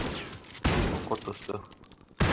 Беҙҙең ҡот осто.